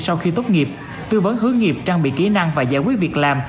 sau khi tốt nghiệp tư vấn hướng nghiệp trang bị kỹ năng và giải quyết việc làm